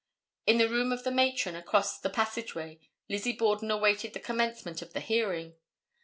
In the room of the matron across the passageway Lizzie Borden awaited the commencement of the hearing.